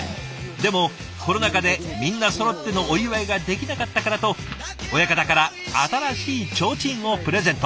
でもコロナ禍でみんなそろってのお祝いができなかったからと親方から新しい提灯をプレゼント。